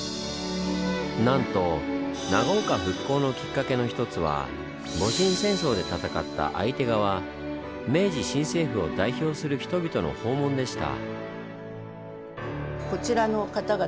なんと長岡復興のきっかけの一つは戊辰戦争で戦った相手側明治新政府を代表する人々の訪問でした。